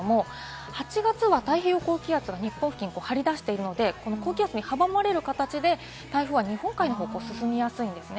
８月は太平洋高気圧が日本付近に張り出しているので、高気圧に阻まれる形で台風は日本海の方向を進みやすいです。